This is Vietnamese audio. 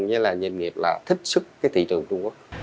với là doanh nghiệp là thích xuất cái thị trường trung quốc